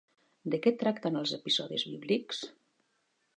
De què tracten els episodis bíblics?